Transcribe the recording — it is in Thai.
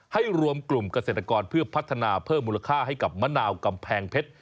รวมกลุ่มเกษตรกรเพื่อพัฒนาเพิ่มมูลค่าให้กับมะนาวกำแพงเพชร